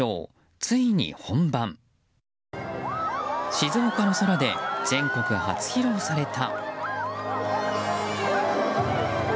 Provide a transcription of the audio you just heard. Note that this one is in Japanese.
静岡の空で全国初披露された。